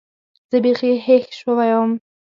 زه بيخي هېښ سوى وم.